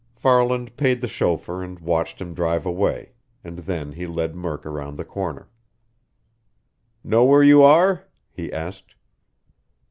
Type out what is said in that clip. Farland paid the chauffeur and watched him drive away, and then he led Murk around the corner. "Know where you are?" he asked.